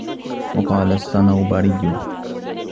وَقَالَ الصَّنَوْبَرِيُّ